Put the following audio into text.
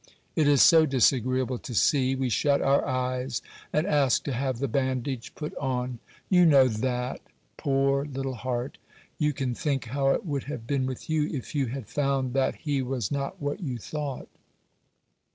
it is so disagreeable to see, we shut our eyes and ask to have the bandage put on,—you know that, poor little heart; you can think how it would have been with you, if you had found that he was not what you thought.